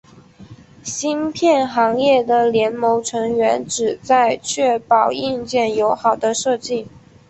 芯片行业的联盟成员旨在确保硬件友好的设计。